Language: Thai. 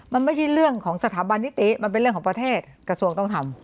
มันไม่ใช่เรื่องของสถาบันนิติมันเป็นเรื่องของประเทศกระทรวงต้องทำ